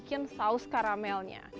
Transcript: kita akan bikin saus karamelnya